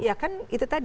ya kan itu tadi